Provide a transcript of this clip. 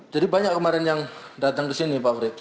jadi banyak kemarin yang datang ke sini pak wri